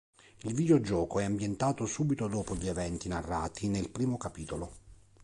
Il videogioco è ambientato subito dopo gli eventi narrati nel primo capitolo.